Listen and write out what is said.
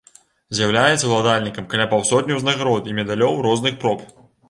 З'яўляецца ўладальнікам каля паўсотні ўзнагарод і медалёў розных проб.